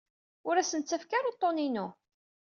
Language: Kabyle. Ur asent-ttakf ara uḍḍun-inu.